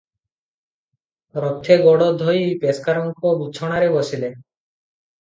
ରଥେ ଗୋଡ ଧୋଇ ପେସ୍କାରଙ୍କ ବିଛଣାରେ ବସିଲେ ।